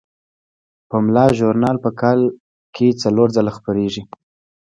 پملا ژورنال په کال کې څلور ځله خپریږي.